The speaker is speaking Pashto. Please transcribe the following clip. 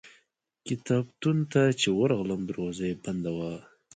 کتابتون ته چې ورغلم دروازه یې بنده وه.